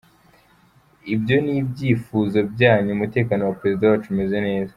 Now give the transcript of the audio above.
Ibyo ni ibyifuzo byanyu, Umutekano wa Perezida wacu umeze neza.